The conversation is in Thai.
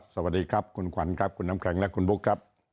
สวัสดีครับคุณขวัญครับคุณน้ำแข็งและคุณบุ๊คครับ